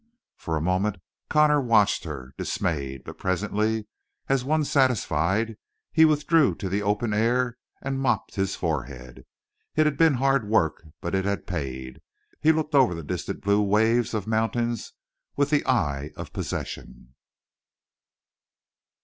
For a moment Connor watched her, dismayed, but presently, as one satisfied, he withdrew to the open air and mopped his forehead. It had been hard work, but it had paid. He looked over the distant blue waves of mountains with the eye of possession.